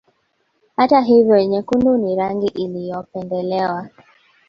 Hata hivyo nyekundu ni rangi iliyopendelewa